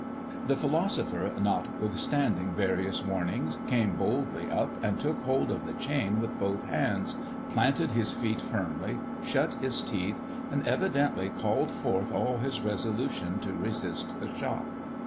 The philosopher, notwithstanding various warnings, came boldly up, and took hold of the chain with both hands, planted his feet firmly, shut his teeth, and evidently called forth all his resolution to resist the shock.